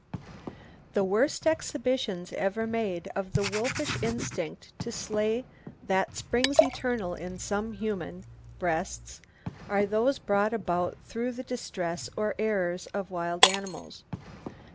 The worst exhibitions ever made of the wolfish instinct to slay that springs eternal in some human (!) breasts are those brought about through the distress or errors of wild animals.